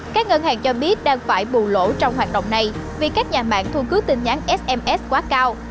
các ngân hàng cho biết đang phải bù lỗ trong hoạt động này vì các nhà mạng thu cứ tin nhắn sms quá cao